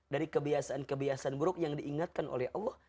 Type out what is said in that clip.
dari kebiasaan kebiasaan buruk yang diingatkan oleh allah